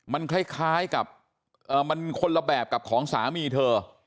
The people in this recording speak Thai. มันคล้ายกับมันคนละแบบกับของสามีเธอ